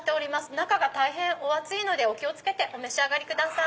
中がお熱いのでお気を付けてお召し上がりください。